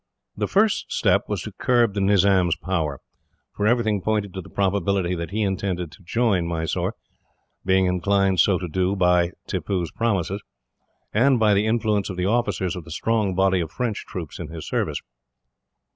The first step was to curb the Nizam's power, for everything pointed to the probability that he intended to join Mysore, being inclined so to do by Tippoo's promises, and by the influence of the officers of the strong body of French troops in his service.